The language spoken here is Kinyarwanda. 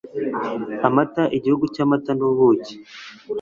AMATA igihugu cy amata n ubuki